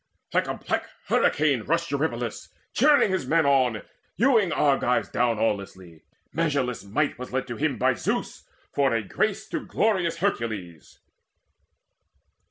Like a black hurricane rushed Eurypylus Cheering his men on, hewing Argives down Awelessly: measureless might was lent to him By Zeus, for a grace to glorious Hercules.